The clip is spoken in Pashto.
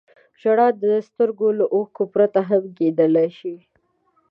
• ژړا د سترګو له اوښکو پرته هم کېدای شي.